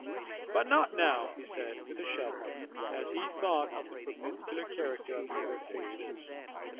"But not now," he said, with a shudder, as he thought of the perpendicular character of the cliff faces.